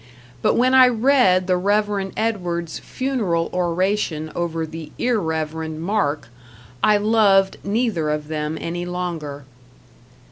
But when I read the Rev. Edward's funeral oration over the Irrev. Mark, I loved neither of them any longer.